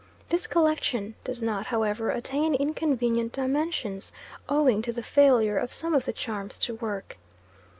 This collection does not, however, attain inconvenient dimensions, owing to the failure of some of the charms to work.